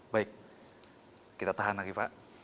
baik kita tahan lagi pak